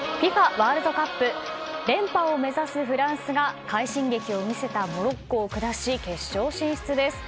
ワールドカップ連覇を目指すフランスが快進撃を見せたモロッコを下し決勝進出です。